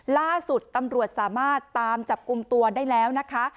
ล่าสุดตำรวจสามารถตามจับกลุ่มตัวได้แล้วนะคะ